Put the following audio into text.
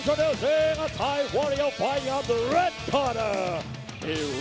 กำลังจะพบกับทายวอร์ยีโอฟไฟต์ของรัดคอร์ตเตอร์